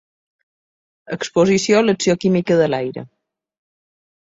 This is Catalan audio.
Exposició a l'acció química de l'aire.